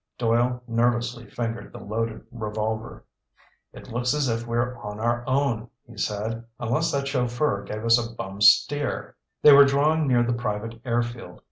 Doyle nervously fingered the loaded revolver. "It looks as if we're on our own," he said. "Unless that chauffeur gave us a bum steer." They were drawing near the private air field.